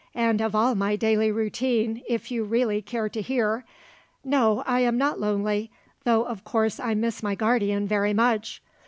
and of all my daily routine, if you really care to hear. No; I am not lonely, though of course I miss my guardian very much.